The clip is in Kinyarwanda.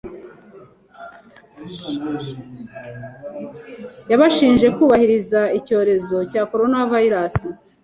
yabashinje gukabiriza icyorezo cya coronavirus.